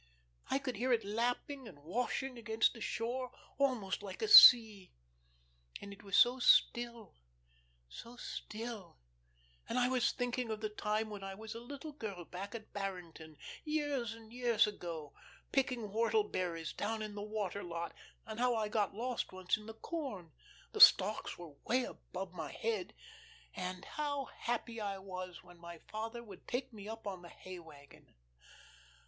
I could hear it lapping and washing against the shore almost like a sea. And it was so still, so still; and I was thinking of the time when I was a little girl back at Barrington, years and years ago, picking whortle berries down in the 'water lot,' and how I got lost once in the corn the stalks were away above my head and how happy I was when my father would take me up on the hay wagon.